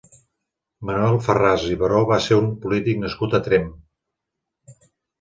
Manuel Farràs i Baró va ser un polític nascut a Tremp.